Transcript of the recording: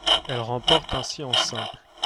Elle remporte ainsi en simple.